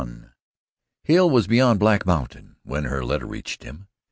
XXI Hale was beyond Black Mountain when her letter reached him.